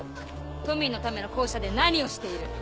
都民のための校舎で何をしている。